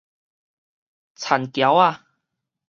田僑仔